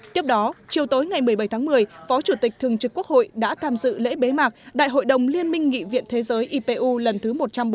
tiếp đó chiều tối ngày một mươi bảy tháng một mươi phó chủ tịch thường trực quốc hội đã tham dự lễ bế mạc đại hội đồng liên minh nghị viện thế giới ipu lần thứ một trăm bốn mươi